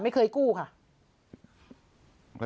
ไม่เคยกู้ค่ะ